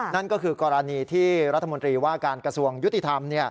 นั่นก็คือกรณีที่รัฐมนตรีว่าการกระทรวงยุติธรรม